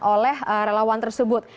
oleh relawan tersebut